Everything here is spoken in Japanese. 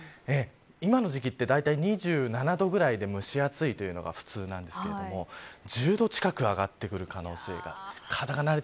今の時期は、だいたい２７度くらいで蒸し暑いというのが普通なんですが１０度近く上がってくる可能性が。